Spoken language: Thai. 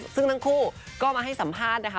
ซึ่งทั้งคู่ก็มาให้สัมภาษณ์นะคะ